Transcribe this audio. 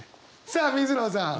さあ水野さん。